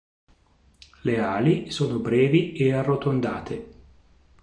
Le ali sono brevi e arrotondate.